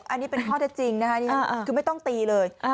อันนี้เป็นข้อเท็จจริงนะคะคือไม่ต้องตีเลย